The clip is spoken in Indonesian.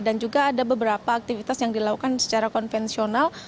juga ada beberapa aktivitas yang dilakukan secara konvensional